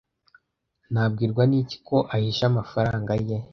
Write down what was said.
Nabwirwa n'iki ko ahisha amafaranga ye?